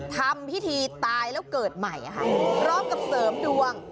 ทำพิธีตายแล้วเกิดใหม่พร้อมกับเสริมดวง